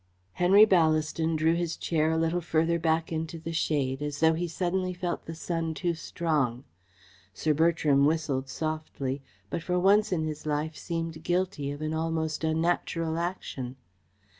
Henry Ballaston drew his chair a little farther back into the shade, as though he suddenly felt the sun too strong. Sir Bertram whistled softly, but for once in his life seemed guilty of an almost unnatural action.